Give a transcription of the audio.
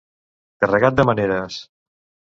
Carregat de maneres.